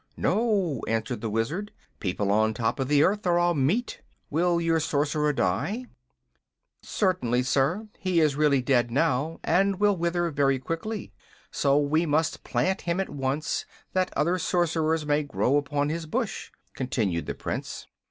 "No," answered the Wizard. "People on top of the earth are all meat. Will your Sorcerer die?" "Certainly, sir. He is really dead now, and will wither very quickly. So we must plant him at once, that other Sorcerers may grow upon his bush," continued the Prince.